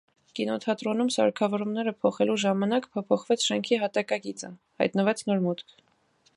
Կինոթատրոնում սարքավորումները փոխելու ժամանակ փոփոխվեց շենքի հատակագիծը, հայտնվեց նոր մուտք։